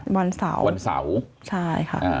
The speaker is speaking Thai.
วันเสาร์วันเสาร์ใช่ค่ะ